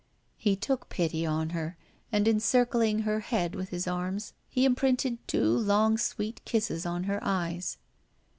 He took pity on her, and, encircling her head with his arms, he imprinted two long sweet kisses on her eyes.